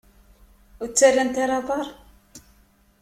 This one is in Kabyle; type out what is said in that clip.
Ur ttarrant ara aḍar?